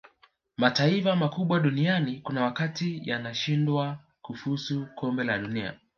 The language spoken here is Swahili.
mataifa makubwa duniani kuna wakati yanashindwa kufuzu kombe la dunia